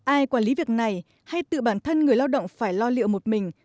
ai quản lý việc này hay tự bản thân người lao động phải lo liệu một mình